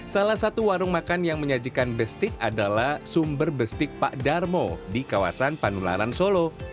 salah satu warung makan yang menyajikan bestik adalah sumber bestik pak darmo di kawasan panularan solo